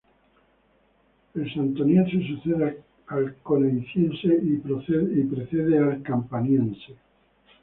El Santoniense sucede al Coniaciense y precede al Campaniense.